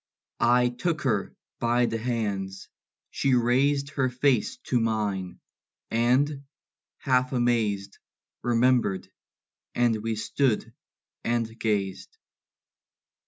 I took her by the hands; she raised Her face to mine; and, half amazed, Remembered; and we stood and gazed.